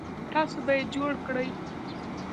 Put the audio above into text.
تاسو به یې جوړ کړئ